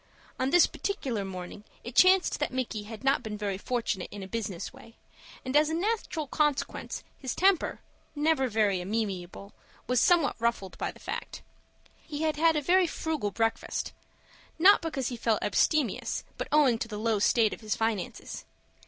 On this particular morning it chanced that Micky had not been very fortunate in a business way, and, as a natural consequence, his temper, never very amiable, was somewhat ruffled by the fact. He had had a very frugal breakfast,—not because he felt abstemious, but owing to the low state of his finances.